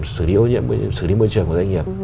xử lý môi trường của doanh nghiệp